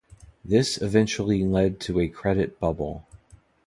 This eventually leads to a credit bubble.